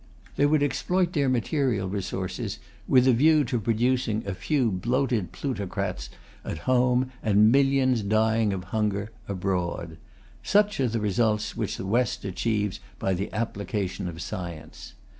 They would exploit their material resources with a view to producing a few bloated plutocrats at home and millions dying of hunger abroad. Such are the results which the West achieves by the application of science.